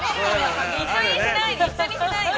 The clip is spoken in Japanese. ◆一緒にしないで。